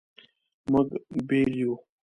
مونږ بیل یو